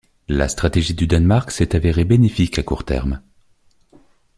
La stratégie du Danemark s'est avérée bénéfique à court terme.